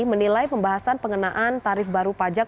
menilai pembahasan pengenaan tarif baru pajak